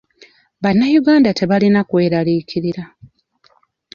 Bannayuganda tebalina kweralikirira.